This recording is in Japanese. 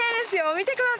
見てください！